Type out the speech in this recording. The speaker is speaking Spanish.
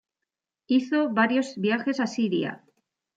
Hizo varios viajes a Siria.